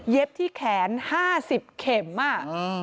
เย็บที่แขน๕๐เข็มอ่ะ